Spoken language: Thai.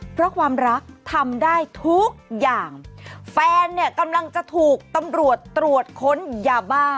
เพราะความรักทำได้ทุกอย่างแฟนเนี่ยกำลังจะถูกตำรวจตรวจค้นยาบ้า